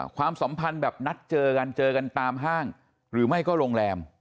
ความสัมพันธ์แบบนัดเจอกันเจอกันตามห้างหรือไม่ก็โรงแรม